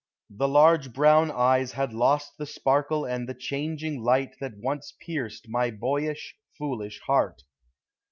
The large brown eyes had lost the sparkle and the changing light that once pierced my boyish, foolish heart.